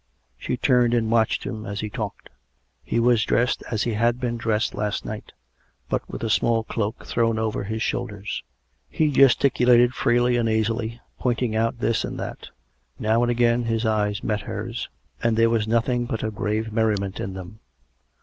She turned and watched him as he talked. He was dressed as he had been dressed last night, but with a small cloak thrown over his shoulders; he gesticulated freely and easily, pointing out this and that ; now and again his eyes met hers, and there was nothing but a grave merri ment in them.